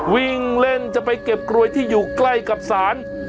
วิ่งเล่นจะไปเก็บกลวยที่อยู่ใกล้กับศาล